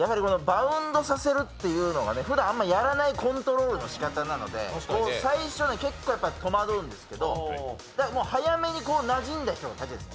バウンドさせるっていうのがふだんあまりやらないコントロールのしかたなので最初、結構、戸惑うんですけど早めになじんだ人の勝ちです。